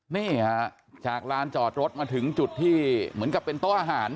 เนี่ยหละจากลานจอดรถมาถึงที่เหมือนกับเป็นต้ออาหาร